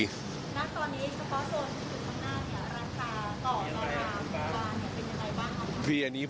แล้วตอนนี้เฉพาะโซนธุรกิจข้างหน้าเนี่ยราคาต่อร้านกว่าเป็นอะไรบ้างครับ